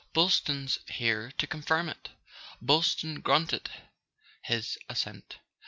Boylston's here to confirm it." Boylston grunted his assent.